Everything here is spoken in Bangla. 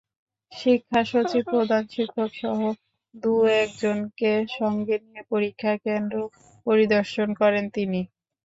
শিক্ষা সচিব, প্রধান শিক্ষকসহ দু-একজনকে সঙ্গে নিয়ে পরীক্ষা কেন্দ্র পরিদর্শন করেন তিনি।